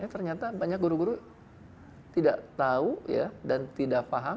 eh ternyata banyak guru guru tidak tahu dan tidak paham